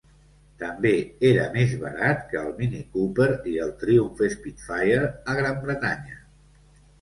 També era més barat que el Mini Cooper i el Triumph Spitfire, a Gran Bretanya.